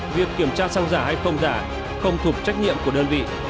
việc kiểm tra xăng giả hay không giả không thuộc trách nhiệm của đơn vị